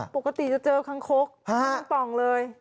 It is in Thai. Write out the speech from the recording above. ปกติจะเจอคังคกทั้งป่องเลย